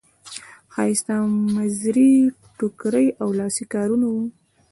ښایسته مزري ټوکري او لاسي کارونه وو.